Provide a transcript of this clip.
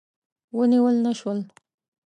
ونیول نه شول.